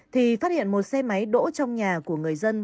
thì phát hiện một xe máy đỗ trong nhà của người dân